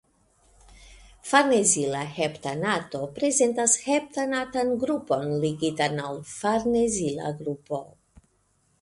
Farnezila heptanato prezentas heptanatan grupon ligitan al farnezila grupo.